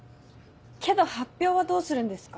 けど発表はどうするんですか？